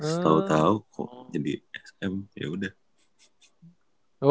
setau tau kok jadi sm ya udah